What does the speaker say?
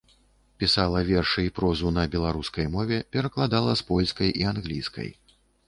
Пісала вершы і прозу на беларускай мове, перакладала з польскай і англійскай.